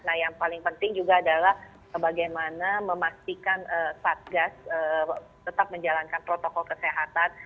nah yang paling penting juga adalah bagaimana memastikan satgas tetap menjalankan protokol kesehatan